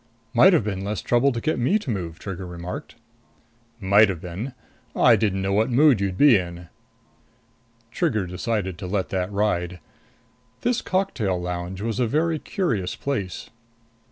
"Might have been less trouble to get me to move," Trigger remarked. "Might have been. I didn't know what mood you'd be in." Trigger decided to let that ride. This cocktail lounge was a very curious place.